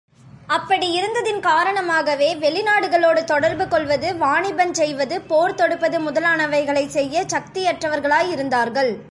அப்படியிருந்ததின் காரணமாகவே, வெளிநாடுகளோடு தொடர்புகொள்வது, வாணிபஞ் செய்வது, போர் தொடுப்பது முதலானவைகளைச் செய்யச் சக்தியற்றவர்களாயிருந்தார்கள்.